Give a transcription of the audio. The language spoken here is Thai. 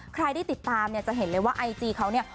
ใครได้ติดตามเนี่ยจะเห็นเลยว่าไอจีเขาเนี่ย